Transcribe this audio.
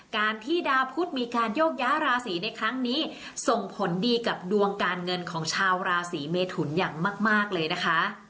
การที่ดาวพุทธมีการโยกย้าราศีในครั้งนี้ส่งผลดีกับดวงการเงินของชาวราศีเมทุนอย่างมากเลยนะคะ